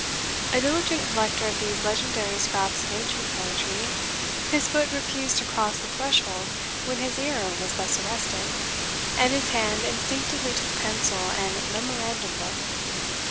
A diligent collector of these legendary scraps of ancient poetry, his foot refused to cross the threshold when his ear was thus arrested, and his hand instinctively took pencil and memorandum book.